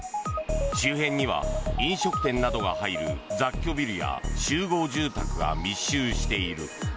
周辺には飲食店などが入る雑居ビルや集合住宅が密集している。